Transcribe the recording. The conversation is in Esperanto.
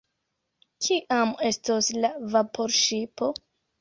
Kiam estos la vaporŝipo?